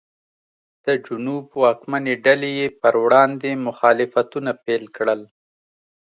د جنوب واکمنې ډلې یې پر وړاندې مخالفتونه پیل کړل.